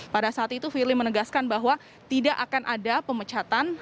pada saat itu firly menegaskan bahwa tidak akan ada pemecatan